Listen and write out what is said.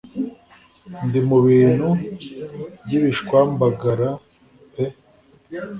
ndi mu bintu by’ibishwambagara pe